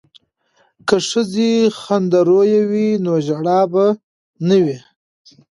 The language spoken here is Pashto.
که ښځې خندرویه وي نو ژړا به نه وي.